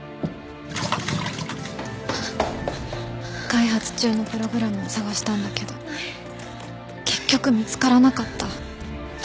開発中のプログラムを探したんだけど結局見つからなかった。